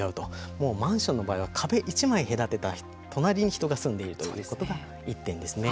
もうマンションの場合は壁一枚を隔てた隣に人が住んでいるということが１点ですね。